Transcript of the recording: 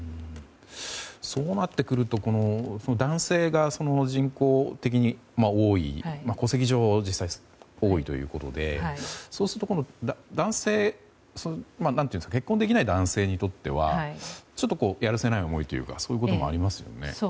そうなってくると男性が、人口的に多い戸籍上は多いということでそうすると結婚できない男性にとってはやるせない思いというところもありますよね。